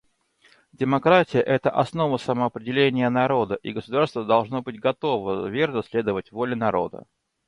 Демократия — это основа самоопределения народа, и государство должно быть готово верно следовать воле народа.